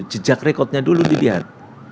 jejak rekodnya dulu dilihat